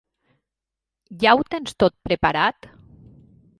Ja ho tens tot preparat?